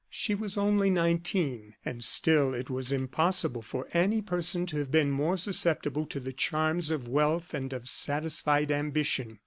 She was only nineteen; and still it was impossible for any person to have been more susceptible to the charms of wealth and of satisfied ambition.